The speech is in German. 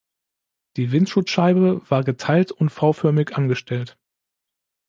Die Windschutzscheibe war geteilt und V-förmig angestellt.